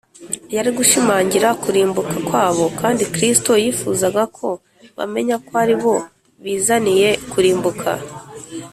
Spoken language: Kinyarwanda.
yari gushimangira kurimbuka kwabo, kandi kristo yifuzaga ko bamenya ko ari bo bizaniye kurimbuka